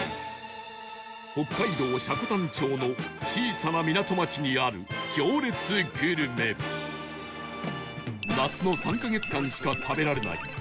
北海道積丹町の小さな港町にある行列グルメ夏の３カ月間しか食べられない